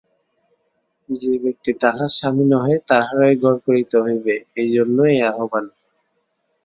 যে ব্যক্তি তাহার স্বামী নহে তাহারই ঘর করিতে হইবে, এইজন্য এই আহ্বান!